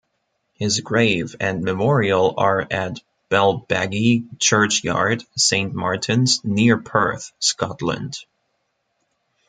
His grave and memorial are at Balbeggie Churchyard, Saint Martin's, near Perth, Scotland.